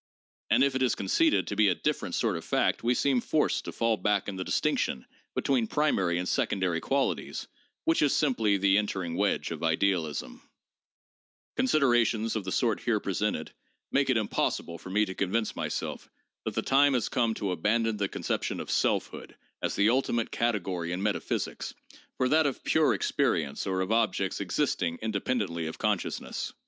And if it is conceded to be a different sort of fact, we seem forced to fall back on the distinction between primary and secondary qualities, which is simply the entering wedge of idealism. PSYCHOLOGY AND SCIENTIFIC METHODS 66 3 Considerations of the sort here presented make it impossible for me to convince myself that the time has come to abandon the concep tion of selfhood as the ultimate category in metaphysics for that of pure experience or of objects existing independently of consciousness.